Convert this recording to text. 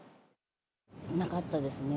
なかったですね。